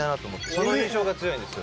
その印象が強いんですよ